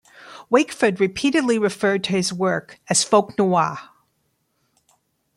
Wakeford repeatedly referred to his work as folk noir.